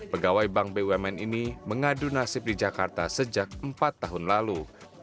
pegawai bank bumn ini mengadu nasib di jakarta sejak empat tahun lalu